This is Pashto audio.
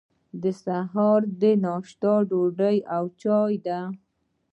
د سهار ناشته ډوډۍ او چای دی.